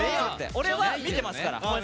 俺は見てますから。